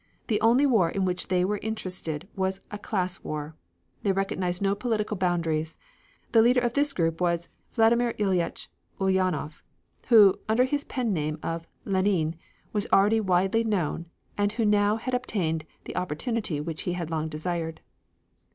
The only war in which they were interested was a class war; they recognized no political boundaries. The leader of this group was Vladimir Iljetch Uljanov, who, under his pen name of Lenine, was already widely known and who had now obtained the opportunity which he had long desired.